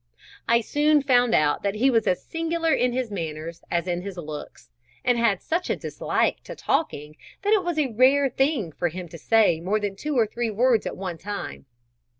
I soon found out that he was as singular in his manners as in his looks, and had such a dislike to talking that it was a rare thing for him to say more than two or three words at one time.